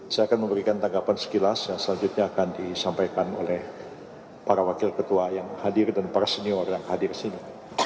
saya akan memberikan tanggapan sekilas yang selanjutnya akan disampaikan oleh para wakil ketua yang hadir dan para senior yang hadir di sini